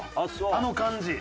あの感じ。